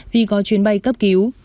vì có chuyến bay cấp cứu